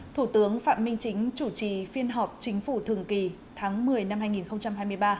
thủ tướng phạm minh chính chủ trì phiên họp chính phủ thường kỳ tháng một mươi năm hai nghìn hai mươi ba